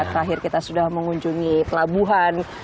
terakhir kita sudah mengunjungi pelabuhan